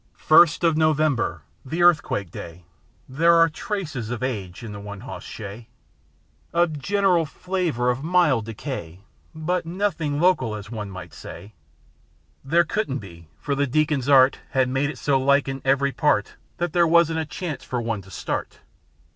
First of November â The Earthquake day â There are traces of age in the one hoss shay, A general flavour of mild decay, But nothing local, as one may say. There couldn't be â for the deacon's art Had made it so like in every part That there wasn't a chance for one to start.